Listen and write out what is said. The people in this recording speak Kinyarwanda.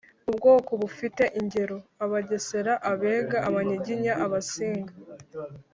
ubwoko bufite ingero: abagesera, abega, abanyiginya, abasinga